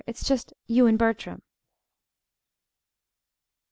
It's just you and Bertram.